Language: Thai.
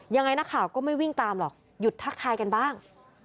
ยังไงนักข่าวก็ไม่วิ่งตามหรอกหยุดทักทายกันบ้าง